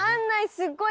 すっごい